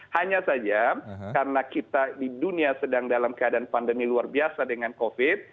hanya saja karena kita di dunia sedang dalam keadaan pandemi luar biasa dengan covid